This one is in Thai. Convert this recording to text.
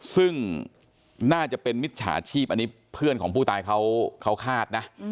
ซึ่งน่าจะเป็นมิจฉาชีพอันนี้เพื่อนของผู้ตายเขาคาดนะ